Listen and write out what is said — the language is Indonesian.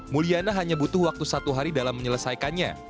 mulyana hanya butuh waktu satu hari dalam menyelesaikannya